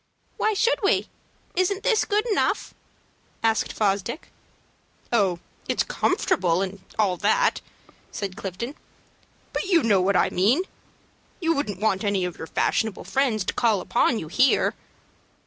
"Why should we? Isn't this good enough?" asked Fosdick. "Oh, it's comfortable and all that," said Clifton; "but you know what I mean. You wouldn't want any of your fashionable friends to call upon you here."